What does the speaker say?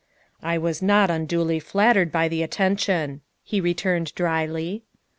" I was not unduly flattered by the attention," he returned dryly.